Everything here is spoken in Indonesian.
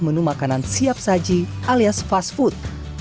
menu makanan siap saji alias fast food